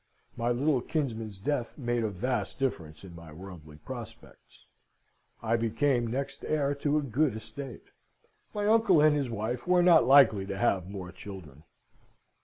My little kinsman's death made a vast difference in my worldly prospects. I became next heir to a good estate. My uncle and his wife were not likely to have more children.